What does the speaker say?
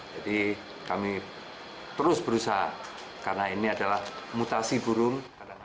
jadi kami terus berusaha karena ini adalah mutasi burung